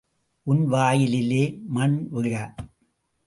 உன் வாயிலே மண் விழ.